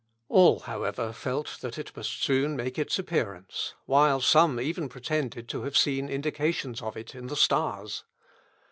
All, however, felt that it must soon make its appearance, while some even pretended to have seen indications of it in the stars.